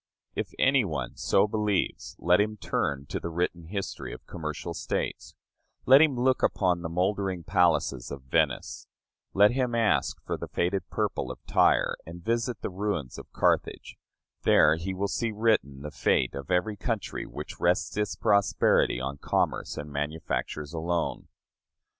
If any one so believes, let him turn to the written history of commercial states: let him look upon the moldering palaces of Venice; let him ask for the faded purple of Tyre, and visit the ruins of Carthage; there he will see written the fate of every country which rests its prosperity on commerce and manufactures alone.